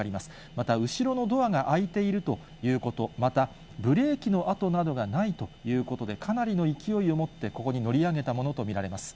また、後ろのドアが開いているということ、またブレーキの跡などがないということで、かなりの勢いを持ってここに乗り上げたものを見られます。